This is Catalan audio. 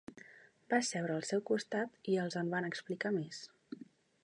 Va seure al seu costat i els en va explicar més.